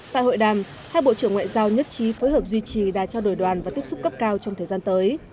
tại hội đàm hai bộ trưởng ngoại giao nhất trí phối hợp duy trì đa trao đổi đoàn và tiếp xúc cấp cao trong thời gian tới